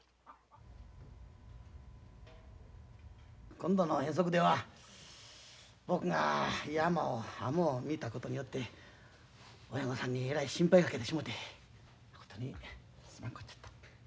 今度の遠足では僕が山を甘う見たことによって親御さんにえらい心配かけてしもてまことにすまんこっちゃった。